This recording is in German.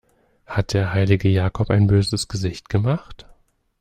Hat der heilige Jakob ein böses Gesicht gemacht?